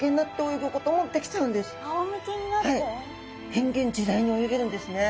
変幻自在に泳げるんですね。